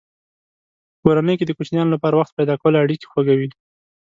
په کورنۍ کې د کوچنیانو لپاره وخت پیدا کول اړیکې خوږوي.